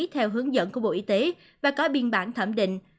theo hướng dẫn của bộ y tế và có biên bản thẩm định